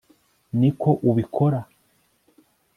niko ubikora